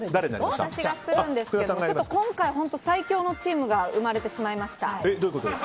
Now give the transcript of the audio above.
私がするんですけど今回、最強のチームが生まれてしまいました。